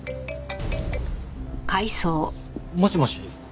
もしもし？